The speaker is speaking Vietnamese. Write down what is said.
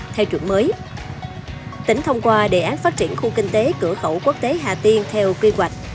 theo chuẩn mới tỉnh thông qua đề án phát triển khu kinh tế cửa khẩu quốc tế hà tiên theo quy hoạch